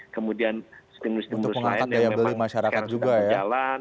kemudian stimulus stimulus lain yang memang sekarang sudah berjalan